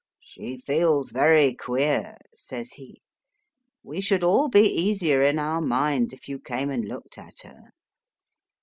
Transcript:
She feels very queer, says he ; we should all be easier in our minds if you came and looked at MR. ANDREW LANC her.